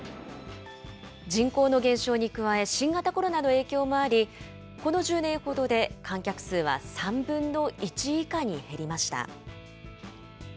人口の減少に加え、新型コロナの影響もあり、この１０年ほどで観客数は３分の１以下に減りました。